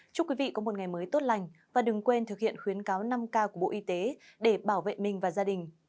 chúc quý vị có một ngày mới tốt lành và đừng quên thực hiện khuyến cáo năm k của bộ y tế để bảo vệ mình và gia đình